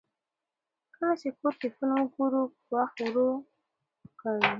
کله چې کور کې فلم ګورو، وخت ورو ښکاري.